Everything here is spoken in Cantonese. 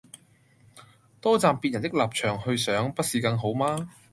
多站別人的立場去想不是更好嗎？